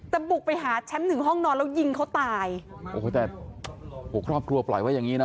แต่บุกไปหาแชมป์หนึ่งห้องนอนแล้วยิงเขาตายโอ้โหแต่หกครอบครัวปล่อยไว้อย่างงี้นะ